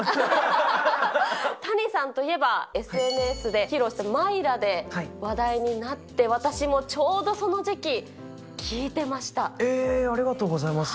タニさんといえばＳＮＳで披露したマイラで話題になって、私もちょうどその時期、えー、ありがとうございます。